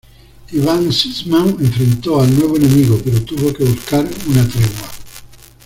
Iván Sisman enfrentó al nuevo enemigo pero tuvo que buscar una tregua.